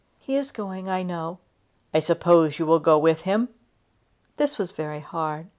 "He is going, I know." "I suppose you will go with him?" This was very hard.